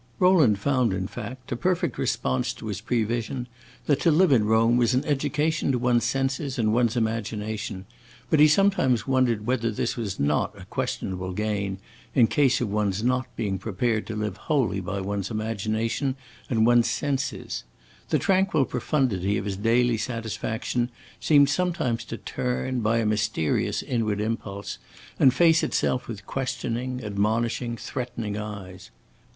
Rowland found, in fact, a perfect response to his prevision that to live in Rome was an education to one's senses and one's imagination, but he sometimes wondered whether this was not a questionable gain in case of one's not being prepared to live wholly by one's imagination and one's senses. The tranquil profundity of his daily satisfaction seemed sometimes to turn, by a mysterious inward impulse, and face itself with questioning, admonishing, threatening eyes.